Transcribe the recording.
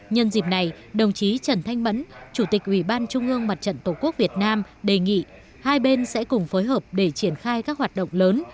nhân dịp này đồng chí trần thanh mẫn chủ tịch ubndtqvn đề nghị hai bên sẽ cùng phối hợp để triển khai các hoạt động lớn